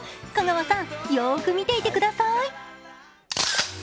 香川さん、よーく見ていてください。